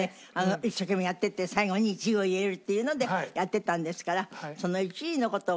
一生懸命やっていって最後に１位を言えるっていうのでやってたんですから。